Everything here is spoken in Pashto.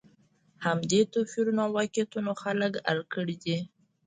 همدې توپیرونو او واقعیتونو خلک اړ کړي دي.